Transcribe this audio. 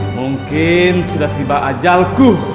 mungkin sudah tiba ajalku